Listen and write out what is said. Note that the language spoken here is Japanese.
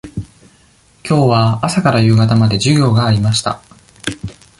きょうは朝から夕方まで授業がありました。